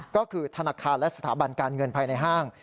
ก็คือธนาคารและสถาบันการเงินภายในห้าง